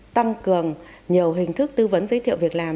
tăng cường nhiều hình thức tư vấn giới thiệu việc làm